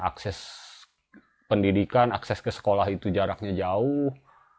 akses pendidikan akses ke sekolah itu jaraknya jauh